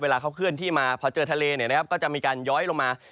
เวลาเข้าขึ้นที่มาพอเจอทะเลนะครับก็จะมีการย้อยลงมา